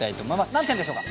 何点でしょうか？